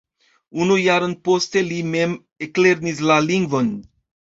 Unu jaron poste li mem eklernis la lingvon.